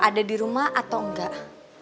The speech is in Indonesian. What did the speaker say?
ada di rumah atau enggak